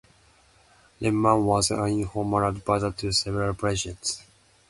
Lippmann was an informal adviser to several presidents.